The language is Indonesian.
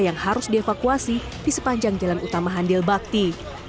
yang harus dievakuasi di sepanjang jalan utama handilbakti